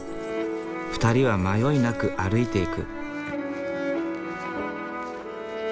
２人は迷いなく歩いていく。